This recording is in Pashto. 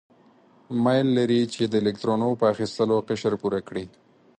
میل لري چې د الکترونو په اخیستلو قشر پوره کړي.